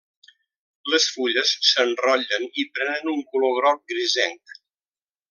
Les fulles s'enrotllen i prenen un color groc grisenc.